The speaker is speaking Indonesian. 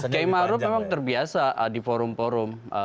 kiai maruf memang terbiasa di forum forum